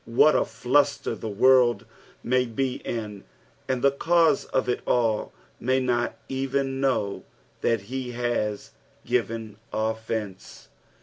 What afiunter the world may be in, and the cause of it all may not even know that he has given offence.